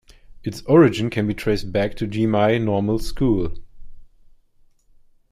Its origin can be traced back to Jimei Normal School.